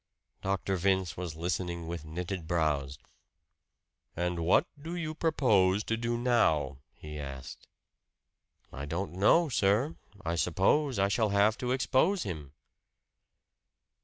Dr. Vince was listening with knitted brows. "And what do you propose to do now," he asked. "I don't know, sir. I suppose I shall have to expose him."